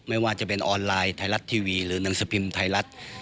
ไม่ว่าจะเป็นออนไลน์ไทยรัฐทีวีหรือหนังสือพิมพ์ไทยรัฐ